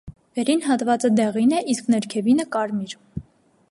Վերին հատվածը դեղին է, իսկ ներքևին՝ կարմիր։